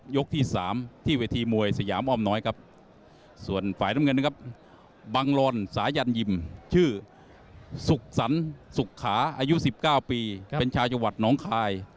ที่๓ที่เวทีมวยสยามอ้อมน้อยครับส่วนฝ่ายน้ำเงินนะครับบังลอนสายันยิมชื่อสุขสรรค์สุขขาอายุ๑๙ปีเป็นชาวจังหวัดน้องคาย